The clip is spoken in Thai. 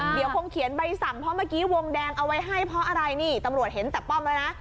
เดี๋ยวคงเขียนใบสั่งเพราะเมื่อกี้วงแดงเอาไว้ให้เพราะอะไรนี่ตำรวจเห็นแต่ป้อมแล้วนะ